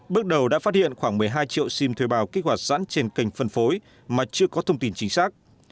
bước đầu đã phát hiện khoảng một mươi hai triệu sim thuê bao kích hoạt sẵn trên kênh phân phối mà chưa có thông tin chính xác